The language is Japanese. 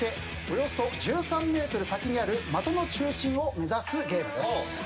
およそ１３ｍ先にある的の中心を目指すゲームです。